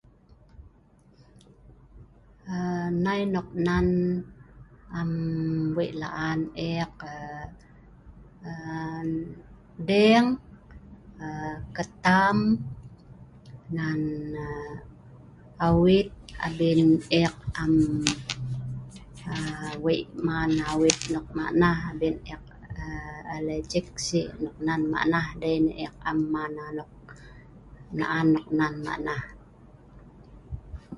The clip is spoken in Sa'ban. Aa… nai noknan am wei laan eek aa… aa…deeng, aa… ketam, nan aa.. awiit abin eek am aa..wei maan awiit nok maq nah, abien eek aa… elijik si’ noknan maq nah dei nah eek am laan noknan maq nah